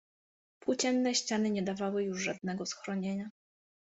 Płócienne ściany nie dawały już żadnego schronienia.